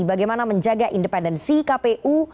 bagaimana menjaga independensi kpu